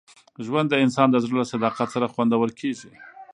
ژوند د انسان د زړه له صداقت سره خوندور کېږي.